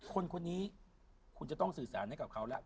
คนนี้คุณจะต้องสื่อสารให้กับเขาแล้ว